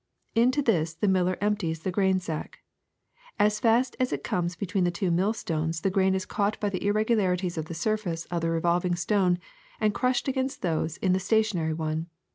Into this the mil ler empties the grain sack. As fast as it comes be tween the two millstones the grain is caught by the irregularities in the surface of the revolving stone and crushed against those in the stationary one.